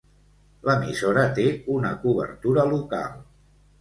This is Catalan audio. L'emissora té una cobertura local.